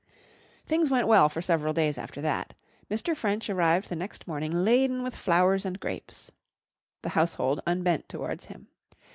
Things went well for several days after that. Mr. French arrived the next morning laden with flowers and grapes. The household unbent towards him.